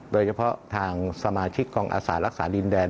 โดยเฉพาะทางสมาชิกกองอาสารักษาดินแดน